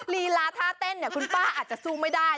ลีลาท่าเต้นเนี่ยคุณป้าอาจจะสู้ไม่ได้